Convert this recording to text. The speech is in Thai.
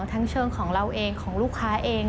ทั้งเชิงของเราเองของลูกค้าเอง